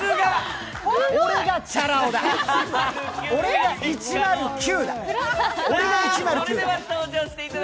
俺が１０９だ。